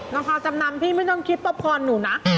ค่ะละครจำนำพี่ไม่ต้องคิดประพรณ์หนูนะ